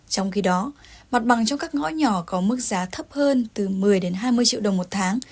trong khi đó mặt bằng trong các ngõ nhỏ có mức giá thấp hơn từ một mươi đến hai mươi triệu đồng một tháng